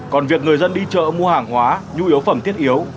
còn việc người dân đi chợ mua hàng hóa nhu yếu phẩm thiết yếu